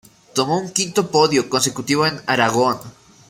Tomó un quinto podio consecutivo en Aragón.